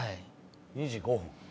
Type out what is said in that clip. ２時５分。